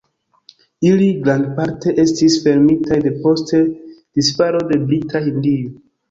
Ili grandparte estis fermitaj depost disfalo de Brita Hindio.